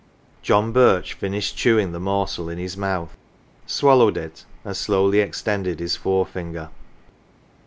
John Birch finished chewing the morsel in his mouth, swallowed it, and slowly extended his forefinger.